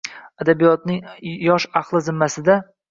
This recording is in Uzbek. Adabiyotning yosh ahli zimmasida.